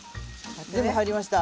全部入りました。